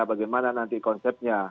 bagaimana nanti konsepnya